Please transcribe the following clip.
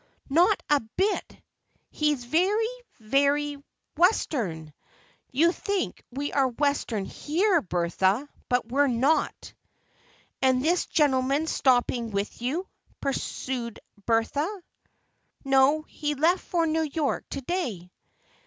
"Not a bit! He's very—very—Western. You think we are Western here, Bertha, but we're not." "And is this gentleman stopping with you?" pursued Bertha. "No, he left for New York to day."